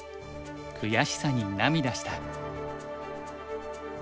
悔しさに涙した。